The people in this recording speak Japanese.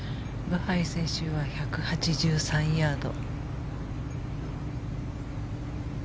ブハイ選手は１８３ヤード。